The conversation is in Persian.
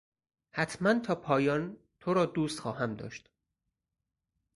حتما تا پایان تو را دوست خواهم داشت.